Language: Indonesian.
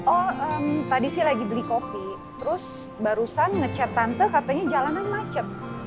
oh tadi sih lagi beli kopi terus barusan ngecet tante katanya jalanan macet